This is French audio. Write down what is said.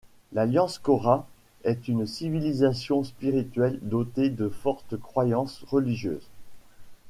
L'alliance Cora est une civilisation spirituelle dotée de fortes croyances religieuses.